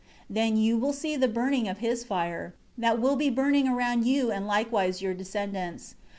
10 Then you will see the burning of his fire, that will be burning around you and likewise your descendants.